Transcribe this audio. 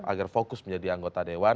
agar fokus menjadi anggota dewan